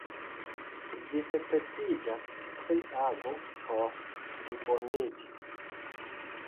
Vi ripetiĝas pri ago por pliboniĝi.